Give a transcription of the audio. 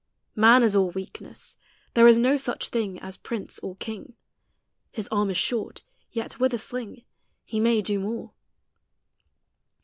Man is all weaknesse: there is no such thing As Prince or King: His arm is short; yet with a sling He may do more.